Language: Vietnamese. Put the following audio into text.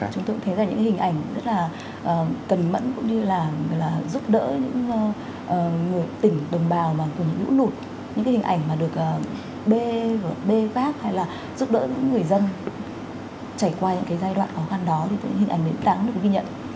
chúng tôi cũng thấy những hình ảnh rất là cẩn mẫn cũng như là giúp đỡ những tỉnh đồng bào của những nữ nụt những hình ảnh mà được bê vác hay là giúp đỡ những người dân trải qua những giai đoạn khó khăn đó những hình ảnh đáng được ghi nhận